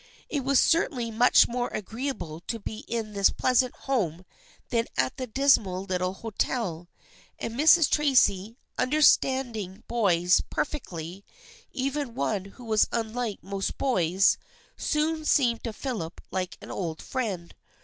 It was certainly very much more agreeable to be in this pleasant home than at the dismal little hotel, and Mrs. Tracy, understanding boys per fectly, even one who was unlike most boys, soon seemed to Philip like an old friend.